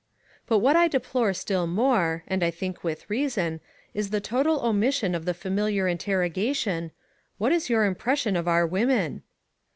But what I deplore still more, and I think with reason, is the total omission of the familiar interrogation: "What is your impression of our women?"